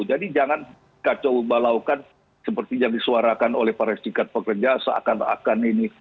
jadi jangan kacau balaukan seperti yang disuarakan oleh para istrikan pekerja seakan akan ini